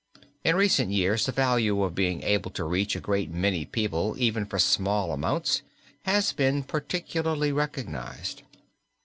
In recent years the value of being able to reach a great many people even for small amounts has been particularly recognized.